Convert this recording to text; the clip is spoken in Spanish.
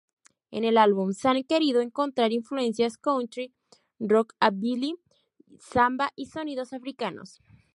En el álbum se han querido encontrar influencias country, rockabilly, samba y sonidos africanos.